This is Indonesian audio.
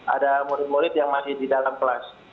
ada murid murid yang masih di dalam kelas